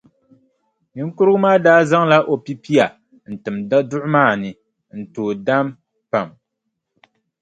Niŋkurugu maa daa zaŋla o pipia n-tim daduɣu maa ni n- tooi daam pam.